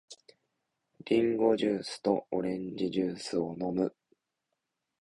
リンゴジュースとオレンジジュースを飲む。